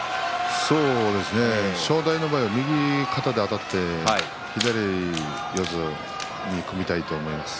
そうですね正代の場合は右肩であたって左四つに組みたいと思います。